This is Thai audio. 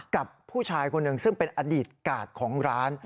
กับผู้ชายคนหนึ่งซึ่งเป็นอดีตกาดของร้าน